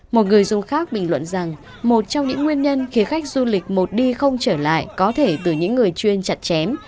một người dùng khác bình luận rằng một trong những nguyên nhân khiến khách du lịch một đi không trở lại có thể từ những người chuyên chặt chém